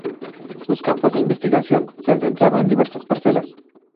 Sus campos de investigación se han centrado en diversas parcelas.